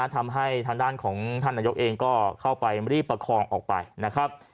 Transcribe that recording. ทำให้ทางด้านของท่านนายกเองก็เข้าไปไม่ได้ประคองออกไปนะครับ